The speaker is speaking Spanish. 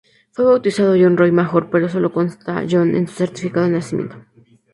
Fue bautizado John Roy Major, pero solo consta John en su certificado de nacimiento.